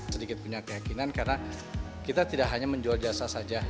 sedikit punya keyakinan karena kita tidak hanya menjual jasa saja